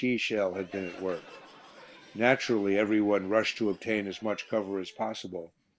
E. shell had been at work. Naturally every one rushed to obtain as much cover as possible.